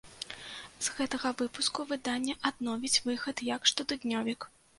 З гэтага выпуску выданне адновіць выхад як штотыднёвік.